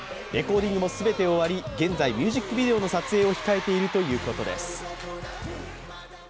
レコーディングも全て終わり現在、ミュージックビデオの撮影を控えているとのことです。